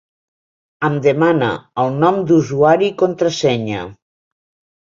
Em demana el nom d'usuari i contrasenya.